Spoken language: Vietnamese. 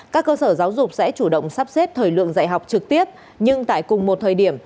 các cơ sở giáo dục sẽ chủ động sắp xếp thời lượng dạy học trực tiếp nhưng tại cùng một thời điểm